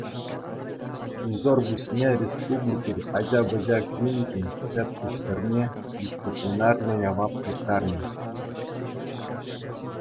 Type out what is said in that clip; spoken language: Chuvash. Кунсӑр пуҫне Республикари ача-пӑча клиникин тӗп тухтӑрне дисциплинарлӑ явап тыттарнӑ.